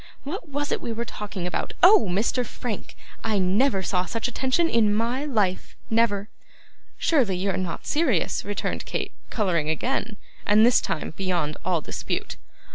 What was it we were talking about? Oh! Mr. Frank. I never saw such attention in MY life, never.' 'Surely you are not serious,' returned Kate, colouring again; and this time beyond all dispute.